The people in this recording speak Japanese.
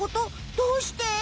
どうして？